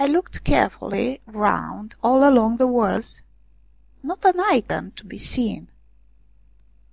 I looked carefully round all along the walls not an Icon to be seen.